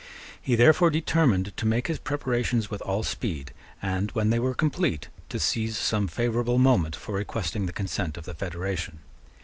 He therefore determined to make his preparations with all speed, and, when they were complete, to seize some favourable moment for requesting the consent of the federation.